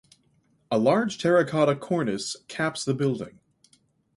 A large terra cotta cornice caps the building.